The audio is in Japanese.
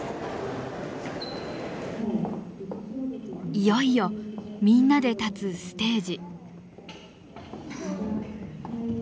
いよいよみんなで立つステージ。